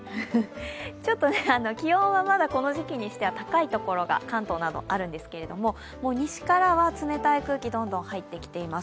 ちょっと気温はまだこの時期にしては高い所が関東などあるんですけど西からは冷たい空気、どんどん入ってきています。